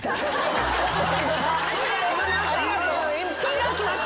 もしかして。